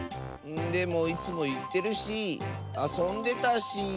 でもいつもいってるしあそんでたし。